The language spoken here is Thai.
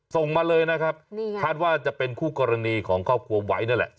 ส่งมาเลยนะครับนี่ไงคาดว่าจะเป็นคู่กรณีของครอบครัวไหวนั่นแหละ